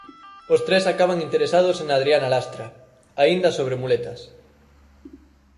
Os tres acaban interesados en Adriana Lastra, aínda sobre muletas.